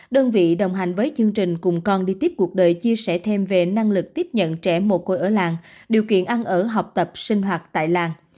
đơn vị đồng hành với chương trình cùng con đi tiếp cuộc đời chia sẻ thêm về năng lực tiếp nhận trẻ mồ côi ở làng điều kiện ăn ở học tập sinh hoạt tại làng